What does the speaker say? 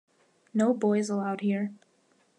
No boys allowed here.